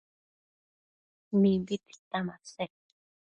Mimbi tita masec